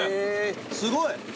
すごい。